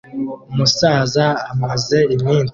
Umusaza amaze iminsi